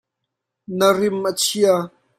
Na rim a chia.